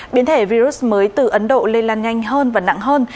biến thể virus mới từ ấn độ lây lan nhanh hơn và nặng hơn